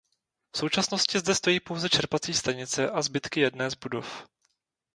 V současnosti zde stojí pouze čerpací stanice a zbytky jedné z budov.